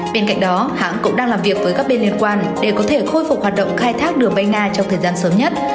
bên cạnh đó hãng cũng đang làm việc với các bên liên quan để có thể khôi phục hoạt động khai thác đường bay nga trong thời gian sớm nhất